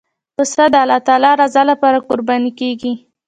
پسه د الله تعالی رضا لپاره قرباني کېږي.